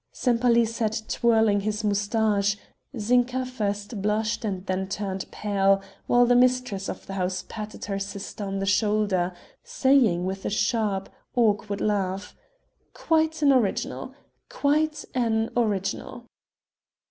Sempaly sat twirling his moustache; Zinka first blushed and then turned pale, while the mistress of the house patted her sister on the shoulder, saying with a sharp, awkward laugh: "Quite an original quite an original."